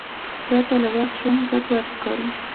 پرته له وخت ژوند ګډوډ ښکاري.